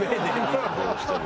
どうしても。